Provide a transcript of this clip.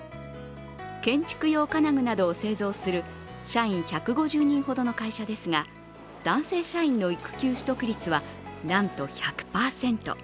建築用金具などを製造する社員１５０人ほどの会社ですが男性社員の育休取得率は、なんと１００％。